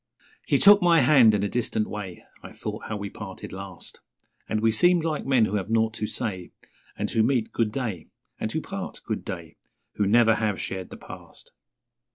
..... He took my hand in a distant way (I thought how we parted last), And we seemed like men who have nought to say And who meet 'Good day', and who part 'Good day', Who never have shared the past.